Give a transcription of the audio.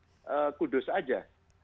pindahkan di kudus saja